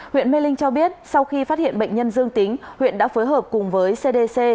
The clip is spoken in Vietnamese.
huyện mê linh cho biết sau khi phát hiện bệnh nhân dương tính huyện đã phối hợp cùng với cdc